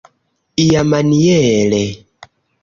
iamaniere